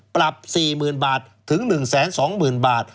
ปรับ๔๐๐๐บาทถึง๑๒๐๐๐บาท